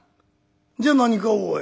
じゃあ何かおい。